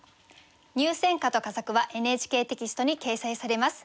入選歌と佳作はＮＨＫテキストに掲載されます。